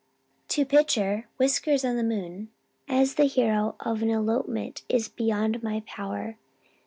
To picture Whiskers on the moon as the hero of an elopement is beyond my power.